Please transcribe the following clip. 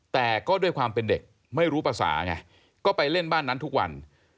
แต่ก็ด้วยความเป็นเด็กไม่รู้ภาษาไงก็ไปเล่นบ้านนั้นทุกวัน